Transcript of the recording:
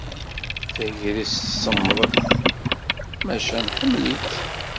Tagrest semmḍet, maca nḥemmel-itt.